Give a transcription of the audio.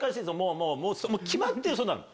もう決まってるそんなの。